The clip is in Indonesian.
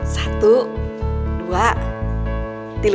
satu dua tilu